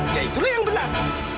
ya itulah yang benar